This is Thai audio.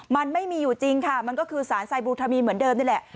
มันไม่มีอยู่จริงค่ะมันก็คือสารไซบูทามีนเหมือนเดิมนี่แหละ